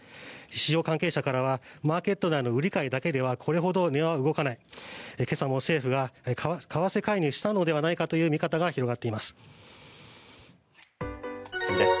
市場関係者からはマーケット内の売り買いだけではこれほど値は動かない今朝も政府が為替介入したのではないかという見方が広がっています。